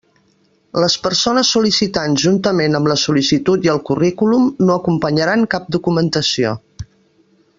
Les persones sol·licitants juntament amb la sol·licitud i el currículum no acompanyaran cap documentació.